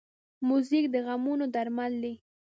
موزیک د غمونو درمل دی.